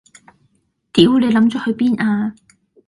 屌你諗左去邊呀